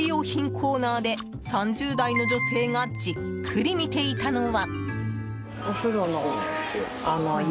コーナーで３０代の女性がじっくり見ていたのは。